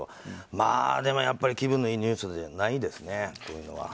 まあ、でもやっぱり気分のいいニュースじゃないですね。